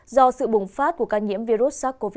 do sự bùng phát của ca nhiễm virus sars cov hai